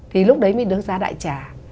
thì lúc đấy mình được giá đại trả